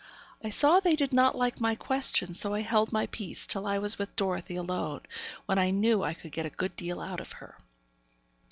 I saw they did not like my question, so I held my peace till I was with Dorothy alone, when I knew I could get a good deal out of her.